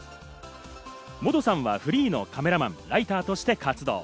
モドさんはフリーのカメラマン、ライターとして活動。